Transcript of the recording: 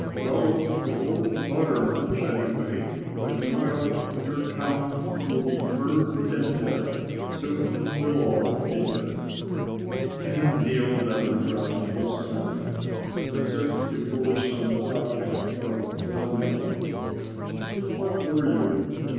Well, it won't matter much anyway. By tomorrow your town will be burned and dead. Soon, we'll all be dead." Ken kneeled on the ground beside him, as if before some strange object from a foreign land. "What were you?"